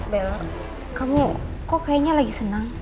bella kamu kok kayaknya lagi senang